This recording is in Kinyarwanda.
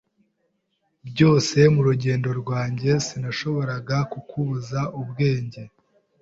Byose murugendo rwanjye sinashoboraga kukubuza ubwenge.